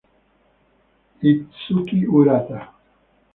Itsuki Urata